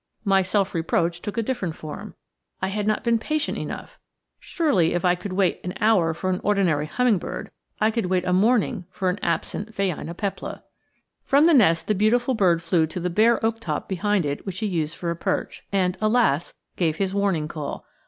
My self reproach took a different form I had not been patient enough. Surely if I could wait an hour for an ordinary hummingbird, I could wait a morning for an absent phainopepla. From the nest the beautiful bird flew to the bare oak top behind it which he used for a perch, and alas! gave his warning call.